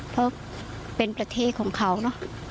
เพราะเป็นประเทศของเขาเนอะ